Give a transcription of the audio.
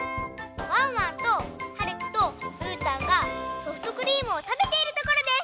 ワンワンとはるきとうーたんがソフトクリームをたべているところです！